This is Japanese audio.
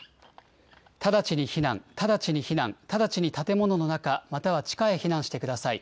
直ちに避難、直ちに避難、直ちに建物の中、または地下へ避難してください。